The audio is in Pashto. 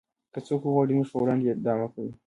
که څوک وغواړي زموږ په وړاندې دعوه وکړي